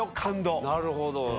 なるほど。